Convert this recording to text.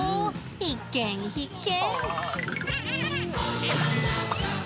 必見、必見！